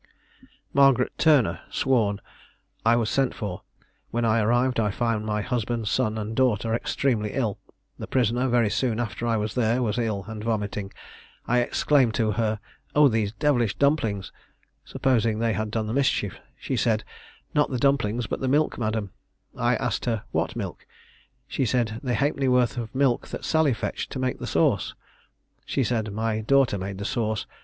Margaret Turner sworn. I was sent for. When I arrived I found my husband, son, and daughter, extremely ill. The prisoner, very soon after I was there, was ill, and vomiting. I exclaimed to her, "Oh, these devilish dumplings!" supposing they had done the mischief. She said, "Not the dumplings, but the milk, madam." I asked her "What milk?" She said, "The halfpenny worth of milk that Sally fetched, to make the sauce." She said my daughter made the sauce.